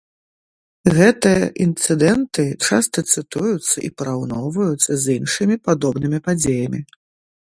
Гэтыя інцыдэнты часта цытуюцца і параўноўваюцца з іншымі падобнымі падзеямі.